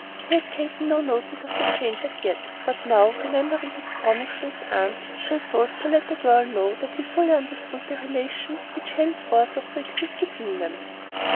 He had taken no notice of the change as yet, but now, remembering his promise to his aunt, he resolved to let the girl know that he fully understood the relation which henceforth was to exist between them.